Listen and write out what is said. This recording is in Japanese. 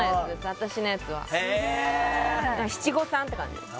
私のやつはへえ七五三って感じです